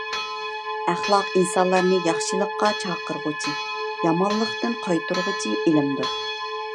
ئەخلاق ئىنسانلارنى ياخشىلىققا چاقىرغۇچى، يامانلىقتىن قايتۇرغۇچى ئىلىمدۇر.